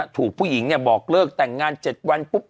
ถูกผู้หญิงบอกเลิกแต่งงาน๗วันปุ๊บ